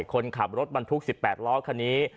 คนขับรถบรรทุก๑๘ล้อคันนี้